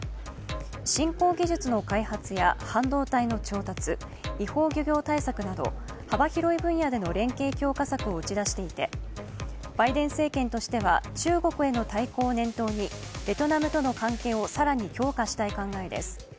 新興技術の開発や半導体の調達、違法漁業対策など、幅広い分野での連携強化策を打ち出していて、バイデン政権としては中国への対抗を念頭にベトナムとの関係を更に強化したい考えです。